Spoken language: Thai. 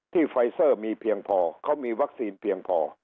ไฟเซอร์มีเพียงพอเขามีวัคซีนเพียงพอ